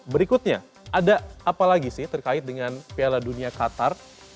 berikutnya ada apalagi sih terkait dengan piala dunia qatar